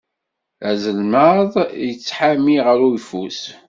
Azelmaḍ yettḥami ɣef uyeffus.